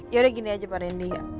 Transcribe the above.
yaudah gini aja pak rendy